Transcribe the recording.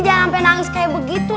jangan sampe nangis kayak begitu